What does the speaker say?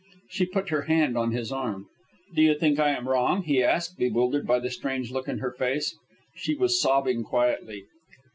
She put her hand on his arm. "Do you think I am wrong?" he asked, bewildered by the strange look in her face. She was sobbing quietly.